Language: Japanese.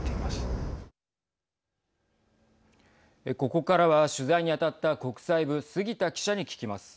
ここからは、取材に当たった国際部・杉田記者に聞きます。